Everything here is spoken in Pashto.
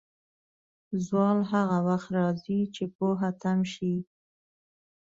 زوال هغه وخت راځي، چې پوهه تم شي.